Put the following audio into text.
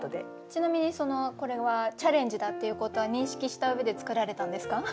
ちなみにそのこれはチャレンジだっていうことは認識した上で作られたんですか？